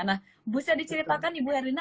nah ibu saya diceritakan ibu herlina